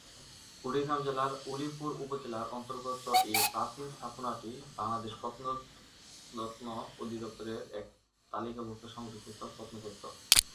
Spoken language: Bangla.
কুড়িগ্রাম জেলার উলিপুর উপজেলার অন্তর্গত এই প্রাচীন স্থাপনাটি বাংলাদেশ প্রত্নতত্ত্ব অধিদপ্তর এর তালিকাভুক্ত সংরক্ষিত প্রত্নতত্ত্ব।